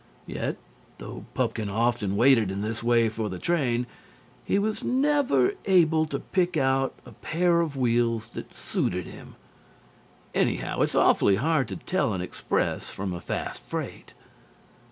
Yet, though Pupkin often waited in this way for the train, he was never able to pick out a pair of wheels that suited him. Anyhow, it's awfully hard to tell an express from a fast freight.